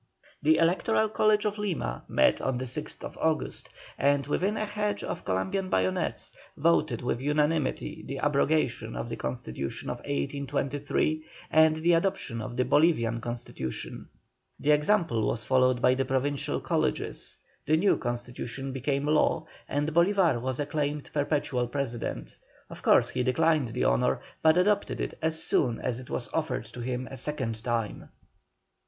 The Electoral College of Lima met on the 6th August, and within a hedge of Columbian bayonets voted with unanimity the abrogation of the Constitution of 1823, and the adoption of the Bolivian Constitution. The example was followed by the Provincial Colleges, the new Constitution became law, and Bolívar was acclaimed perpetual President. Of course he declined the honour, but accepted it as soon as it was offered to him a second time.